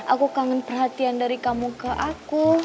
aku kangen perhatian dari kamu ke aku